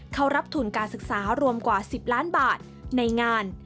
เขารับทุนการศึกษารวมกว่า๑๐ล้านบาทในงาน